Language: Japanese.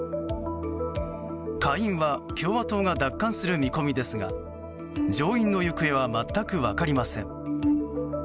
下院は共和党が奪還する見込みですが上院の行方は全く分かりません。